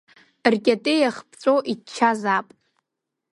Ркьатеиах ԥҵәо иччазаап…